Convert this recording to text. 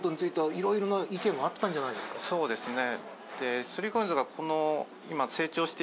そうですね。